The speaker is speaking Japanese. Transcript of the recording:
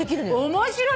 面白い。